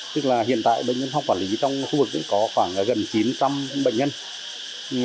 tức là hiện tại bệnh nhân phong quản lý trong khu vực có khoảng gần chín trăm linh bệnh nhân